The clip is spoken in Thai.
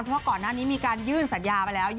เพราะก่อนหน้านี้มีการยื่นสัญญาไปแล้ว